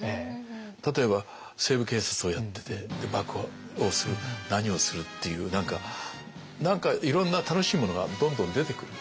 例えば「西部警察」をやってて爆破をする何をするっていう何かいろんな楽しいものがどんどん出てくる。